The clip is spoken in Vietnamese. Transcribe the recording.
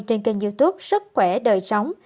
trên kênh youtube sức khỏe đời sống